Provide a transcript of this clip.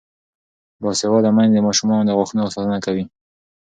باسواده میندې د ماشومانو د غاښونو ساتنه کوي.